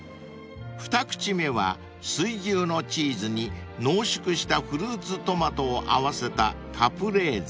［二口目は水牛のチーズに濃縮したフルーツトマトを合わせたカプレーゼ］